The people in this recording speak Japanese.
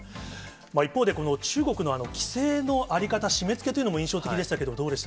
一方で、この中国の規制の在り方、締めつけというのも印象的でしたけど、どうでした？